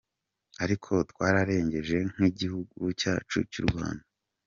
Ariko twararengeje nk’igihugu cyacu cy’u Rwanda.